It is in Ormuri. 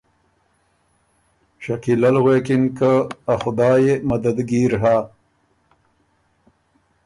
شکیلۀ ل غوېکِن که ”ا خدایٛ يې مددګیر هۀ،